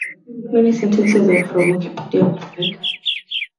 Many sentences are from Wikipedia website.